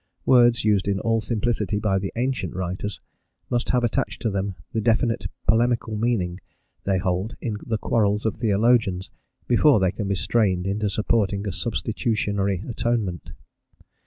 Words used in all simplicity by the ancient writers must have attached to them the definite polemical meaning they hold in the quarrels of theologians, before they can be strained into supporting a substitutionary atonement.